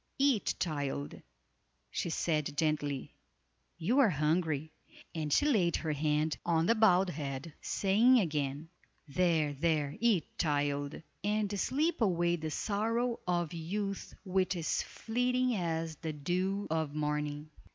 "Eat, child," she said gently, "you are hungry," and she laid her hand on the bowed head, saying again: "There! there! eat, child! and sleep away the sorrow of youth which is fleeting as the dew of morning."